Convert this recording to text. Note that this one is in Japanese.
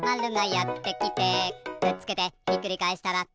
「くっつけてひっくり返したらタコ」